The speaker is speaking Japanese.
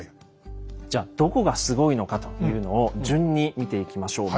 じゃどこがすごいのかというのを順に見ていきましょう。